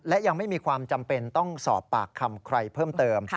และยังไม่มีความจำเป็นต้องสอบปากคำใครเพิ่มเติม